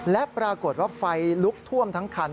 และปรากฏว่าไฟลุกท่วมทั้งคัน